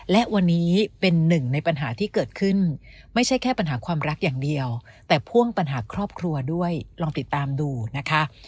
และวันนี้เป็นหนึ่งในปัญหาที่เกิดขึ้นไม่ใช่แค่ปัญหาความรักอย่างเดียวแต่พ่วงปัญหาครอบครัวด้วยลองติดตามดูนะคะ